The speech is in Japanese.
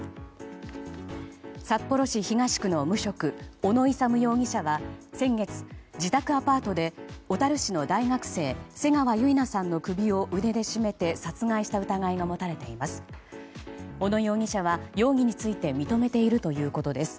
札幌市東区の無職小野勇容疑者は先月自宅アパートで小樽市の大学生瀬川結菜さんの首を腕で絞めて殺害した疑いが持たれています。